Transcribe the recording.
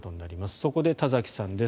そこで田崎さんです。